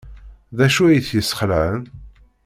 D acu ay t-yesxelɛen?